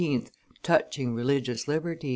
touching religious liberties.